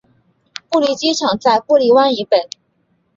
布利机场在布利湾以北。